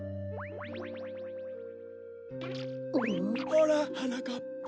ほらはなかっぱ。